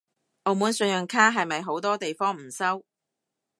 澳門信用卡係咪好多地方唔收？